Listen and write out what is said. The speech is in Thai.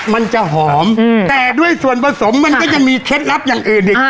มันจะหอมแต่ด้วยส่วนผสมมันก็ยังมีเคล็ดลับอย่างอื่นอีก